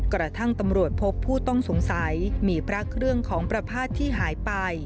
กระทั่งตำรวจพบผู้ต้องสงสัยมีพระเครื่องของประพาทที่หายไป